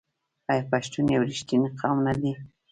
آیا پښتون یو رښتینی قوم نه دی؟